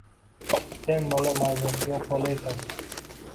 Sen bola, mazasi yo‘q bola ekansan.